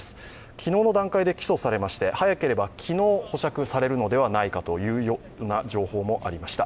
昨日の段階で起訴されまして、早ければ昨日保釈されるのではないかというような情報もありました。